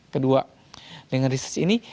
kedua dengan research ini